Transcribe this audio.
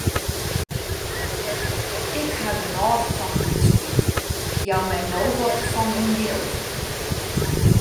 Ik haw genôch fan dyn spyt, jou my no wat fan dyn jild.